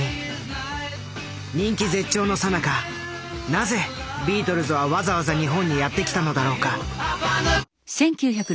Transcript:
人気絶頂のさなかなぜビートルズはわざわざ日本にやってきたのだろうか？